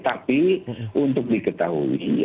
tapi untuk diketahui